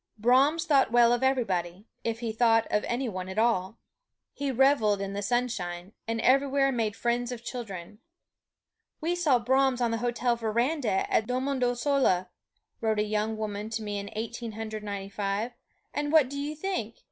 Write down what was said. Brahms thought well of everybody, if he thought of any one at all. He reveled in the sunshine, and everywhere made friends of children. "We saw Brahms on the hotel veranda at Domodossola," wrote a young woman to me in Eighteen Hundred Ninety five, "and what do you think?